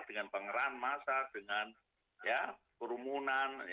dengan pengeran masa dengan kerumunan